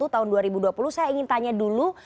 tahun dua ribu dua puluh saya ingin tanya dulu